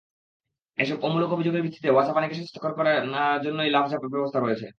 এসব অমূলক অভিযোগের ভিত্তিতে ওয়াসা পানিকে স্বাস্থ্যকর করার জন্যই লাফঝাঁপের ব্যবস্থা করেছে।